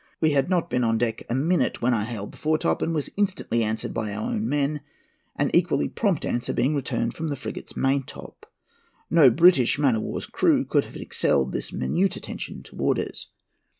We had not been on deck a minute, when I hailed the foretop, and was instantly answered by our own men, an equally prompt answer being returned from the frigate's main top. No British man of war's crew could have excelled this minute attention to orders.